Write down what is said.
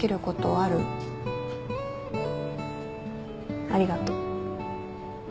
ありがとう。